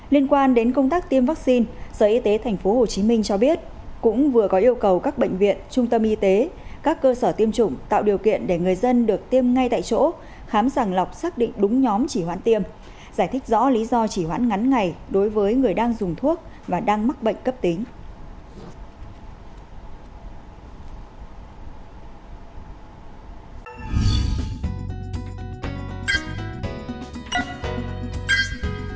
liên quan đến công tác tiêm vaccine sở y tế tp hcm cho biết cũng vừa có yêu cầu các bệnh viện trung tâm y tế các cơ sở tiêm chủng tạo điều kiện để người dân được tiêm ngay tại chỗ khám sàng lọc xác định đúng nhóm chỉ hoãn tiêm giải thích rõ lý do chỉ hoãn ngắn ngày đối với người đang dùng thuốc và đang mắc bệnh cấp tính